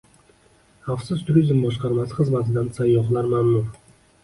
Xavfsiz turizm boshqarmasi xizmatidan sayyohlar mamnun